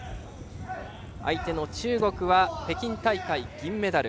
相手の中国は北京大会、銀メダル。